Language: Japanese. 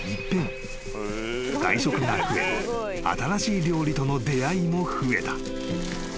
［外食が増え新しい料理との出合いも増えた］